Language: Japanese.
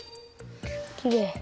きれい。